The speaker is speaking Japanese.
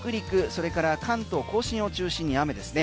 それから関東甲信を中心に雨ですね。